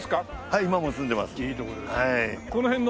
今も住んでます。